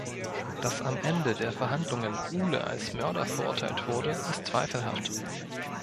Dass am Ende der Verhandlungen Uhle als Mörder verurteilt wurde, ist zweifelhaft.